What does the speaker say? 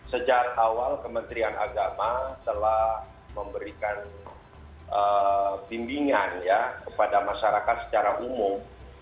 sejak awal kementerian agama telah memberikan bimbingan kepada masyarakat secara umum